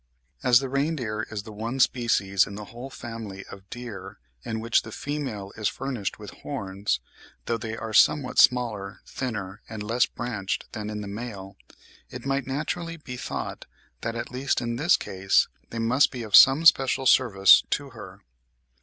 As the reindeer is the one species in the whole family of Deer, in which the female is furnished with horns, though they are somewhat smaller, thinner, and less branched than in the male, it might naturally be thought that, at least in this case, they must be of some special service to her.